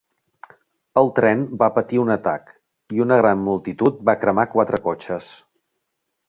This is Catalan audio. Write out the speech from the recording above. El tren va patir un atac i una gran multitud va cremar quatre cotxes.